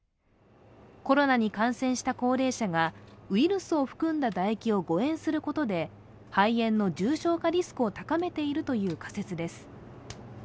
コロナに感染した高齢者がウイルスを含んだ唾液を誤嚥することで肺炎の重症化リスクを高めているという仮説です。